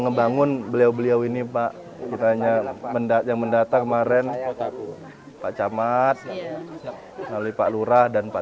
ngebangun beliau beliau ini pak ditanya mendatang kemarin pak camat lalu pak lurah dan pak